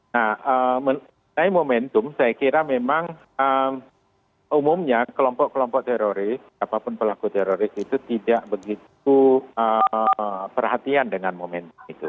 nah mengenai momentum saya kira memang umumnya kelompok kelompok teroris apapun pelaku teroris itu tidak begitu perhatian dengan momentum itu